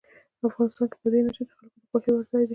افغانستان کې بادي انرژي د خلکو د خوښې وړ ځای دی.